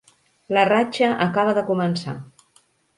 La ratxa acaba de començar.